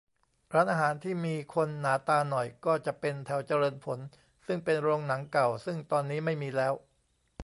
ร้านอาหารที่มีคนหนาตาหน่อย ก็จะเป็นแถวเจริญผล ซึ่งเป็นโรงหนังเก่าซึ่งตอนนี้ไม่มีแล้ว